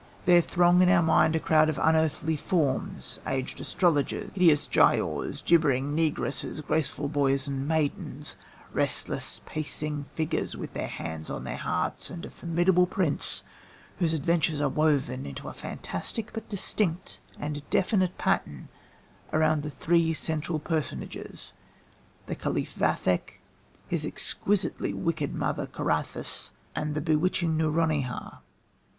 There throng into our mind a crowd of unearthly forms aged astrologers, hideous Giaours, gibbering negresses, graceful boys and maidens, restless, pacing figures with their hands on their hearts, and a formidable prince whose adventures are woven into a fantastic but distinct and definite pattern around the three central personages, the caliph Vathek, his exquisitely wicked mother Carathis, and the bewitching Nouronihar.